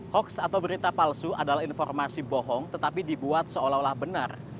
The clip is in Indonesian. hoax atau berita palsu adalah informasi bohong tetapi dibuat seolah olah benar